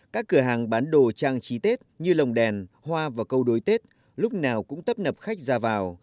các cửa hàng bán đồ trang trí tết như lồng đèn hoa và câu đối tết lúc nào cũng tấp nập khách ra vào